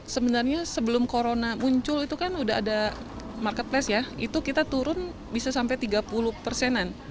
sebenarnya sebelum corona muncul itu kan udah ada marketplace ya itu kita turun bisa sampai tiga puluh persenan